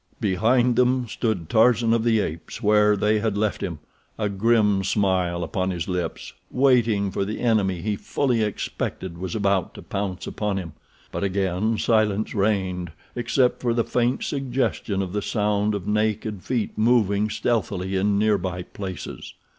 Behind them stood Tarzan of the Apes where they had left him, a grim smile upon his lips—waiting for the enemy he fully expected was about to pounce upon him. But again silence reigned, except for the faint suggestion of the sound of naked feet moving stealthily in near by places.